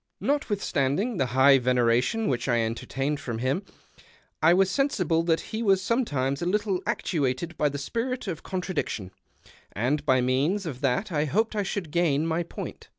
Notwithstanding the high veneration which I entertained for him, I was sensible that he was sometimes a little actuated by the spirit of contra diction, and by means of that I hoped I should gain my i)oint.